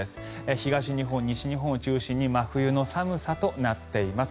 東日本、西日本を中心に真冬の寒さとなっています。